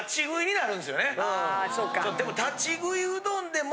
でも。